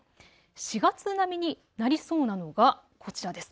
４月並みになりそうなのがこちらです。